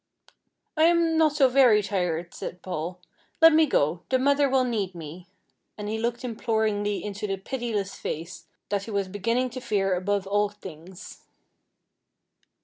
"I am not so very tired," said Paul; "let me go the mother will need me;" and he looked imploringly into the pitiless face that he was beginning to fear above all things.